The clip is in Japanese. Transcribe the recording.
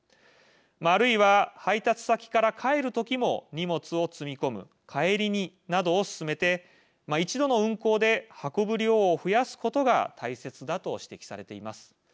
あるいは配達先から帰る時も荷物を積み込む帰り荷などを進めて一度の運行で運ぶ量を増やすことが大切だと指摘されています。